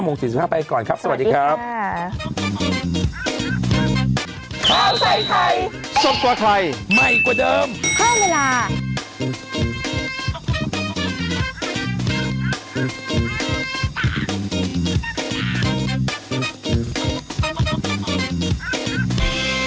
โมง๔๕ไปก่อนครับสวัสดีครับ